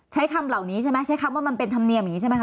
ใช้คำเหล่านี้ใช่ไหมใช้คำว่ามันเป็นธรรมเนียมอย่างนี้ใช่ไหมค